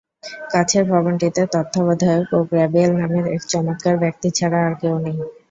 কাছের ভবনটিতে তত্ত্বাবধায়ক ও গ্যাব্রিয়েল নামের এক চমৎকার ব্যক্তি ছাড়া আর কেউ নেই।